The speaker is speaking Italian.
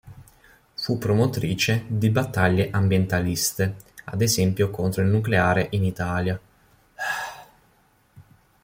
Fu promotrice di battaglie ambientaliste, ad esempio contro il nucleare in Italia.